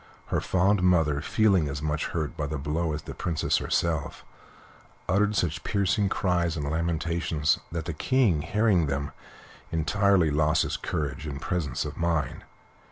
Her fond mother, feeling as much hurt by the blow as the Princess herself, uttered such piercing cries and lamentations that the King, hearing them, entirely lost his courage and presence of mind.